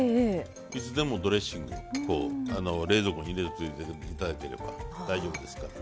いつでもドレッシング冷蔵庫に入れといていただければ大丈夫ですから。